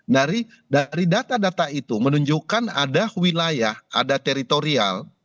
dari data data itu menunjukkan ada wilayah ada teritorial